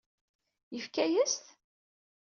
Yefka-yas-t?